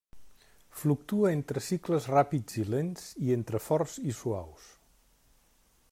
Fluctua entre cicles ràpids i lents, i entre forts i suaus.